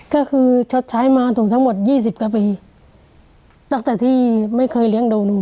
ก็คือชดใช้มาถูกทั้งหมดยี่สิบกว่าปีตั้งแต่ที่ไม่เคยเลี้ยงดูหนู